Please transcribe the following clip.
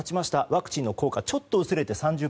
ワクチンの効果がちょっと薄れて３０％。